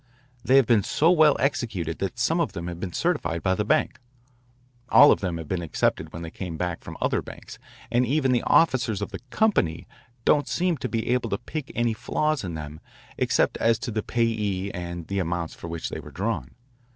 They have been so well executed that some of them have been certified by the bank, all of them have been accepted when they came back from other banks, and even the officers of the company don't seem to be able to pick any flaws in them except as to the payee and the amounts for which they were drawn.